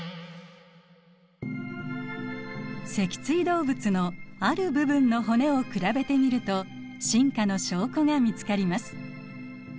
脊椎動物のある部分の骨を比べてみると進化の証拠が見つかります。